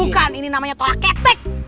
bukan ini namanya tolak ketek